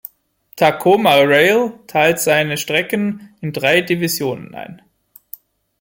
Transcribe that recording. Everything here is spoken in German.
Tacoma Rail teilt seine Strecken in drei Divisionen ein.